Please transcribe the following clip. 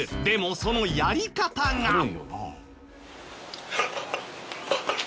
でもそのやり方が。